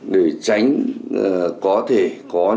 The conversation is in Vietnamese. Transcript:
để tránh có thể có những cái bất động sản